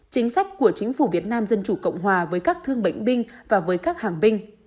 chính sách của chính phủ việt nam dân chủ cộng hòa với các thương bệnh binh và với các hàng binh